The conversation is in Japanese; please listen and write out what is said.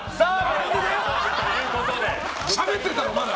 しゃべってるだろ、まだ！